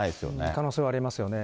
可能性はありますよね。